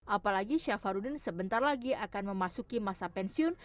apalagi syafarudin sebentar lagi akan memasuki masa pensiun